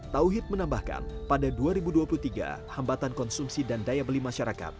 tauhid menambahkan pada dua ribu dua puluh tiga hambatan konsumsi dan daya beli masyarakat